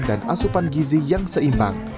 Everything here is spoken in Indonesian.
dan asupan gizi yang seimbang